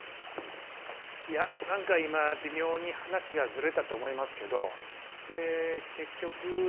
いや何か今微妙に話がずれたと思いますけどで結局その蚊は逃げたんですか？